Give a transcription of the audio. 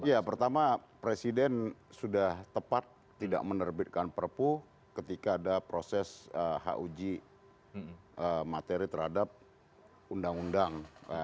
ya pertama presiden sudah tepat tidak menerbitkan perpu ketika ada proses huj materi terhadap undang undang